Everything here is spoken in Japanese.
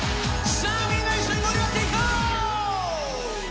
さあ、みんな一緒に盛り上がっていこう！